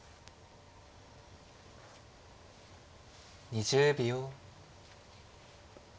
２０秒。